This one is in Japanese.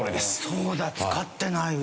そうだ使ってない。